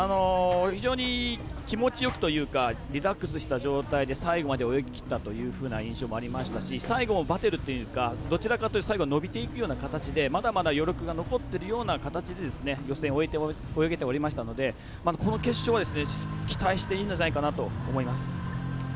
非常に気持ちよくというかリラックスした状態で最後まで泳ぎきったという印象もありましたし最後も、ばてるというかどちらかというと最後、伸びていくような感じでまだまだ余力が残っているような形で予選を泳げておりましたのでこの決勝は期待していいのではないかと思います。